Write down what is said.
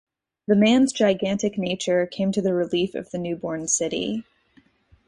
The man's gigantic nature came to the relief of the newborn city.